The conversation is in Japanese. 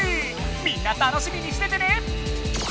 みんな楽しみにしててね！